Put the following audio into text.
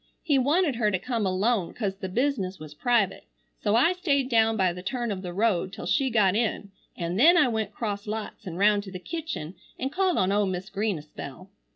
He wanted her to come alone cause the business was private, so I stayed down by the turn of the road till she got in an then I went cross lots an round to the kitchen an called on Mis' Green a spell.